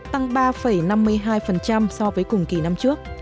tăng ba năm mươi hai so với cùng kỳ năm trước